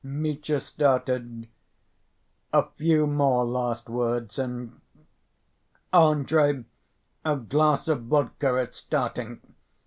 Mitya started. "A few more last words and—Andrey, a glass of vodka at starting.